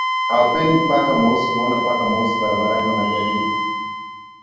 hawapendi paka mweusi Kuona paka mweusi barabarani wanajaribu